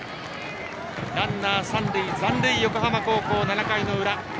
ランナー三塁残塁横浜高校、７回の裏。